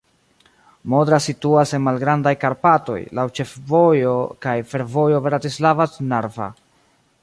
Modra situas en Malgrandaj Karpatoj, laŭ ĉefvojo kaj fervojo Bratislava-Trnava.